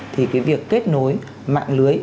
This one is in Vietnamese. thì cái việc kết nối mạng lưới